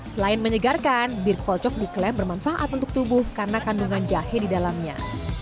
selain menyegarkan beer kolcok diklaim bermanfaat untuk tubuh karena kandungan jahe di dalamnya